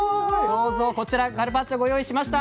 どうぞこちらカルパッチョご用意しました。